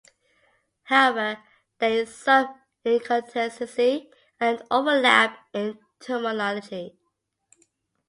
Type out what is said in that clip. However, there is some inconsistency and overlap in terminology.